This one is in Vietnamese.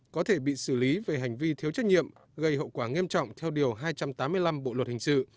có thể bị xử lý về hành vi thiếu trách nhiệm gây hậu quả nghiêm trọng theo điều hai trăm tám mươi năm bộ luật hình sự